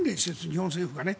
日本政府がね。